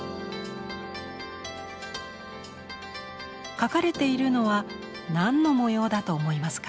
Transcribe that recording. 描かれているのは何の模様だと思いますか？